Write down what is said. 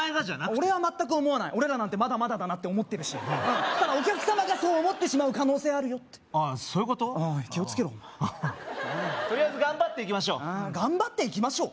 俺は全く思わない俺らなんてまだまだだなって思ってるしただお客様がそう思ってしまう可能性あるよってああそういうことうん気をつけろお前とりあえず頑張っていきましょう「頑張っていきましょう」？